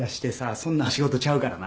そんなん仕事ちゃうからな。